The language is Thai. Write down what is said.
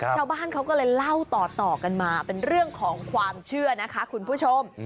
ชาวบ้านเขาก็เลยเล่าต่อกันมาเป็นเรื่องของความเชื่อนะคะคุณผู้ชม